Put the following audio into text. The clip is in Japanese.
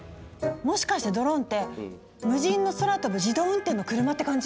もしかしてドローンって無人の空飛ぶ自動運転の車って感じ？